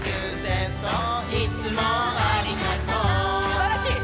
すばらしい！